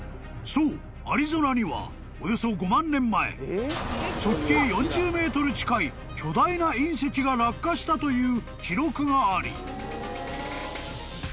［そうアリゾナにはおよそ５万年前直径４０ｍ近い巨大な隕石が落下したという記録があり］